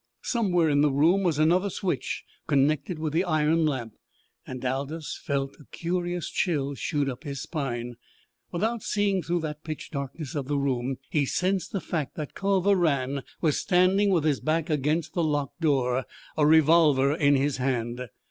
Somewhere in the room was another switch connected with the iron lamp, and Aldous felt a curious chill shoot up his spine. Without seeing through that pitch darkness of the room he sensed the fact that Culver Rann was standing with his back against the locked door, a revolver in his hand.